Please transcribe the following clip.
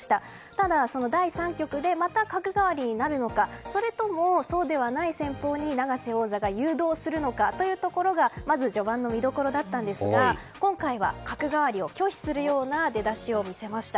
ただ、第３局でまた角換わりになるのかそうではない戦法に永瀬王座が誘導するのかというところが序盤の見どころだったんですが今回は角換わりを拒否するような出だしを見せました。